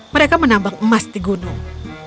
mereka menambang emas di gunung